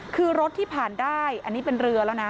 คือรถที่ผ่านได้อันนี้เป็นเรือแล้วนะ